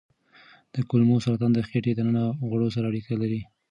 د کولمو سرطان د خېټې دننه غوړو سره اړیکه لري.